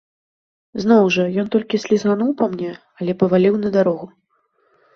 Зноў жа, ён толькі слізгануў па мне, але паваліў на дарогу.